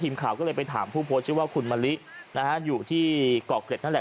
ทีมข่าวก็เลยไปถามผู้โพสต์ชื่อว่าคุณมะลินะฮะอยู่ที่เกาะเกร็ดนั่นแหละ